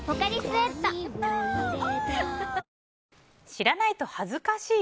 知らないと恥ずかしい？